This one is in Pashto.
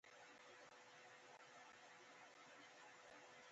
موږ به تر هغه وخته پورې د کتابتونونو ملاتړ کوو.